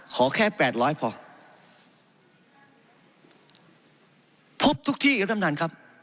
ขอแค่แปดร้อยพอพบทุกที่อีกทำทานครับ